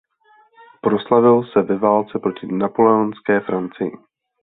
Proslavil se ve válce proti Napoleonské Francii.